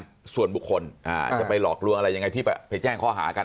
เชื่อว่าอุปกรณ์ส่วนบุคคลค่ะจะไปหลอกรั้วอะไรยังไงที่ไปแจ้งข้ออาหารกัน